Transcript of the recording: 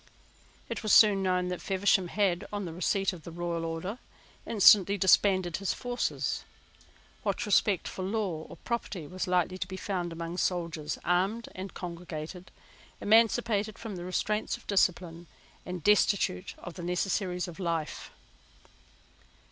It was soon known that Feversham had, on the receipt of the royal order, instantly disbanded his forces. What respect for law or property was likely to be found among soldiers, armed and congregated, emancipated from the restraints of discipline, and destitute of the necessaries of life?